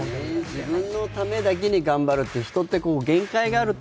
自分のためだけに頑張ると人って限界があると。